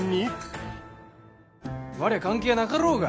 「われ関係なかろうが！？」